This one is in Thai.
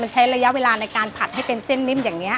ใช้ระยะเวลาในการผัดให้เป็นเส้นนิ่มอย่างนี้